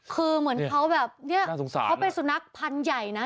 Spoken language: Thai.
คือเหมือนเขาแบบเนี่ยเขาเป็นสุนัขพันธุ์ใหญ่นะ